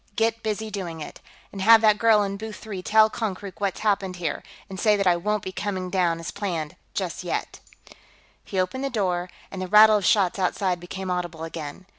Get busy doing it. And have that girl in booth three tell Konkrook what's happened here, and say that I won't be coming down, as planned, just yet." He opened the door, and the rattle of shots outside became audible again.